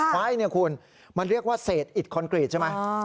คว้าให้เนี่ยคุณมันเรียกว่าเสร็จอิทคอนกรีตใช่ไหม